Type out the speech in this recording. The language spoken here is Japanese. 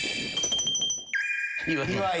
岩井。